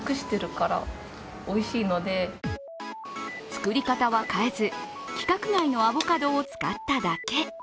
作り方は変えず、規格外のアボカドを使っただけ。